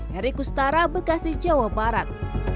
heri kustara bekasi jawa barat